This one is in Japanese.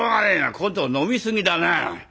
ここんとこ飲み過ぎだな。